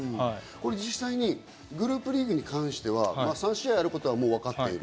実際にグループリーグに関しては、３試合あることはわかっている。